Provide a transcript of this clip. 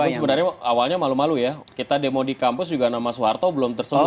tapi sebenarnya awalnya malu malu ya kita demo di kampus juga nama soeharto belum tersentuh